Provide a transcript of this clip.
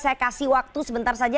saya kasih waktu sebentar saja